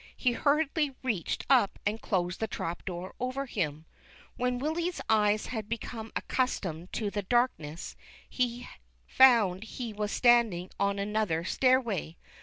He hurriedly reached up and closed the trap door over him. When Willy's eyes had become accustomed to the darkness, he found he was standing on another stair way.